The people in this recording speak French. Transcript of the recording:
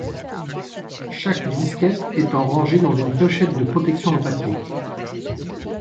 Chaque disquette étant rangée dans une pochette de protection en papier.